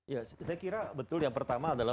ya saya kira betul yang pertama adalah